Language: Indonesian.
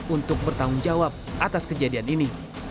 untuk bertanggung jawab atas kejadian ini